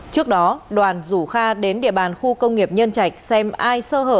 trước đó đoàn rủ kha đến địa bàn khu công nghiệp nhân trạch xem ai sơ hở